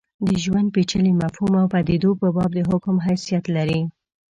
د ژوند پېچلي مفهوم او پدیدو په باب د حکم حیثیت لري.